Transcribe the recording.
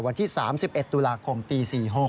วันที่๓๑ตุลาคมปี๔๖